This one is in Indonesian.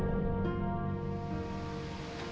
aku mau pulang dulu ya mas